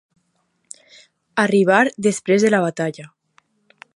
Arribar després de la batalla.